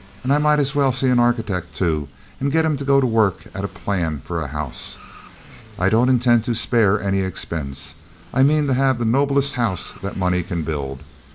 And I might as well see an architect, too, and get him to go to work at a plan for a house. I don't intend to spare any expense; I mean to have the noblest house that money can build."